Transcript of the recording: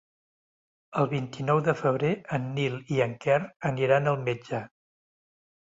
El vint-i-nou de febrer en Nil i en Quer aniran al metge.